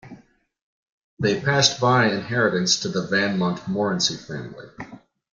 They passed by inheritance to the van Montmorency family.